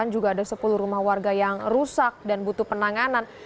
juga ada sepuluh rumah warga yang rusak dan butuh penanganan